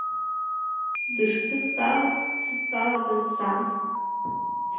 Дышсыдтәалаз дсыдтәалаӡан сан.